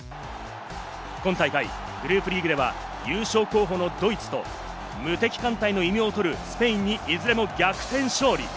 今大会グループリーグでは優勝候補のドイツと無敵艦隊の異名をとるスペインにいずれも逆転勝利。